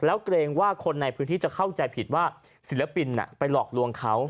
แล้วเกรงว่าคนในพื้นที่จะเข้าใจผิดว่าศิลปินไปหลอกลวงเขา